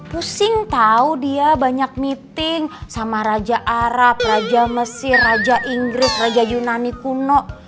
pusing tahu dia banyak meeting sama raja arab raja mesir raja inggris raja yunani kuno